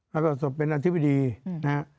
แล้วก็ประสบเป็นอธิบดีนะฮะ